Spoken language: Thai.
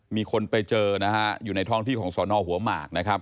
มีคนไปเจออยู่ในท่องที่ของสอนหัวหมาก